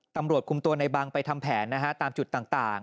ตำรวจคุมตัวในบังไปทำแผนนะฮะตามจุดต่าง